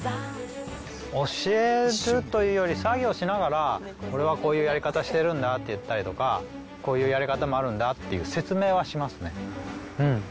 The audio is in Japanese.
教えるというより、作業しながら、これはこういうやり方してるんだって言ったりとか、こういうやり方もあるんだっていう説明はしますね。